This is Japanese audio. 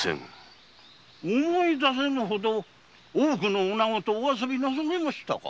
思い出せぬほど多くの女子とお遊びなされましたか？